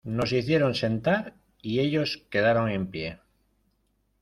nos hicieron sentar, y ellos quedaron en pie.